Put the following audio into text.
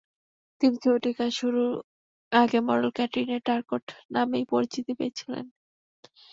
তিনি ছবিটির কাজ শুরুর আগে মডেল ক্যাটরিনা টারকোট নামেই পরিচিতি পেয়েছিলেন।